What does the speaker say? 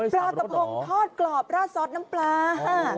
ปลากระพงทอดกรอบราดซอสน้ำปลาค่ะ